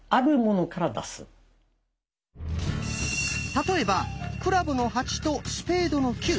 例えば「クラブの８」と「スペードの９」